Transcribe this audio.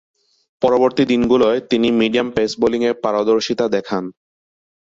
পরবর্তী দিনগুলোয় তিনি medium pace বোলিংয়ে পারদর্শীতা দেখান।